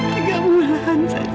tiga bulan saja